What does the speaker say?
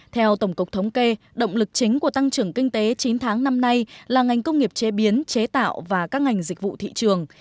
theo tổng cục thống kê động lực chính của tăng trưởng kinh tế chín tháng năm nay là ngành công nghiệp chế biến chế tạo và các ngành dịch vụ thị trường